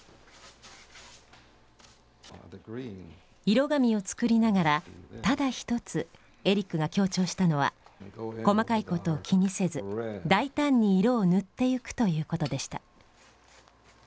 色紙を作りながらただ一つエリックが強調したのは「細かいことを気にせず大胆に色を塗っていく」ということでした。